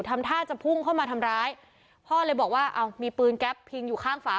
ทำท่าจะพุ่งเข้ามาทำร้ายพ่อเลยบอกว่าเอามีปืนแก๊ปพิงอยู่ข้างฝา